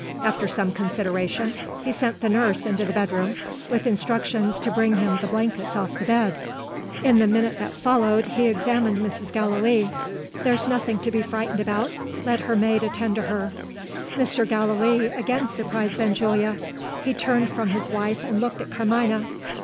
After some consideration, he sent the nurse into the bedroom, with instructions to bring him the blankets off the bed. In the minute that followed, he examined Mrs. Gallilee. "There's nothing to be frightened about. Let her maid attend to her." Mr. Gallilee again surprised Benjulia. He turned from his wife, and looked at Carmina.